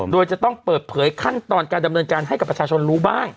โดยจะต้องเปิดเผยขั้นตอนการดำเนินการให้กับประชาชนรู้บ้าง